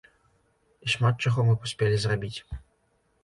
І шмат чаго мы паспелі зрабіць.